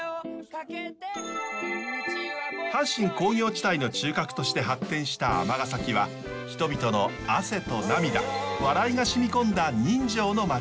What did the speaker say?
阪神工業地帯の中核として発展した尼崎は人々の汗と涙笑いがしみこんだ人情の街です。